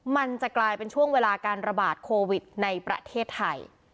มันจะกลายเป็นช่วงเวลาการระบาดโควิดในประเทศไทย